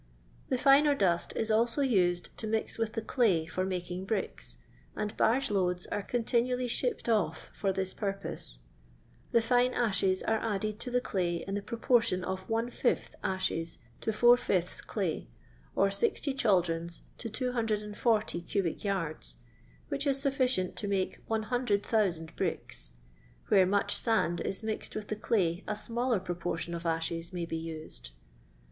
The finer dust is also uaed to mix with the clay for making bricks, and baorge4oads are con tinually ahipped off for this purpose. The fine ashes are added to the clay in the proportion of one fifth ashes to four fifths day, or 60 chaldrons to 240 cubic yards, which ia suffident to make 100,000 bricks (where much wuA is mixed with the clay a smaller proportion of aahes may be used).